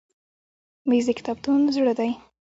مېز د کتابتون زړه دی.